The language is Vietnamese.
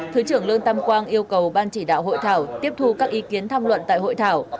thứ trưởng lương tam quang yêu cầu ban chỉ đạo hội thảo tiếp thu các ý kiến tham luận tại hội thảo